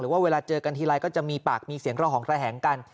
ว่าเวลาเจอกันทีไรก็จะมีปากมีเสียงระหองระแหงกัน